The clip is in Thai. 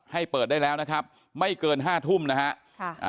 ให้เปิดได้แล้วนะครับไม่เกินห้าทุ่มนะฮะ